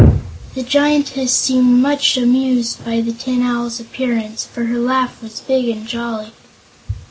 The Giantess seemed much amused by the Tin Owl's appearance, for her laugh was big and jolly.